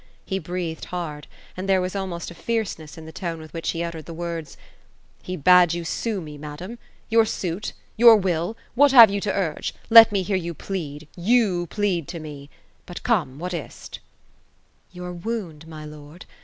He breathed hard, and there was almost a fierceness in the tone with which he uttered the words, '* He bade you sue me, madam. Your suit ? Tour will ? What have jou to urge ? Let me hear jou plead. You plead to me ! But come, what is t r ^ Your wound, mj lord.